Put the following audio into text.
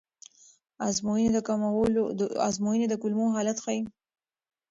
ازموینې د کولمو حالت ښيي.